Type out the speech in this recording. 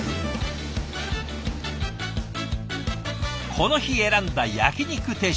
この日選んだ焼肉定食。